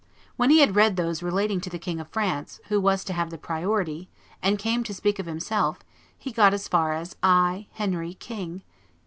When he had read those relating to the King of France, who was to have the priority, and came to speak of himself, he got as far as, 'I, Henry, King'